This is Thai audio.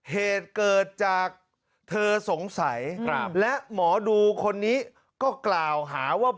เหตุเกิดจากเธอสงสัยและหมอดูคนนี้ก็กล่าวหาว่า